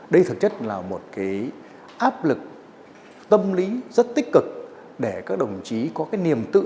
đây thực chất là một cái áp lực tâm lý rất tích cực để các đồng chí có cái niềm tự hào